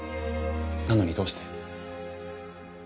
なのにどうして。